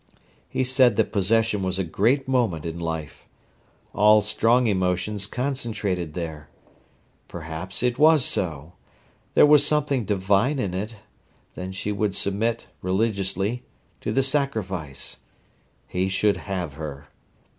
He said that possession was a great moment in life. All strong emotions concentrated there. Perhaps it was so. There was something divine in it; then she would submit, religiously, to the sacrifice. He should have her.